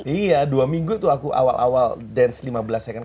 iya dua minggu tuh aku awal awal dance lima belas second